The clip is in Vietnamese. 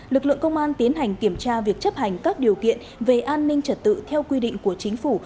lực lượng công an tiến hành kiểm tra việc chấp hành các điều kiện về an ninh trật tự theo quy định của chính phủ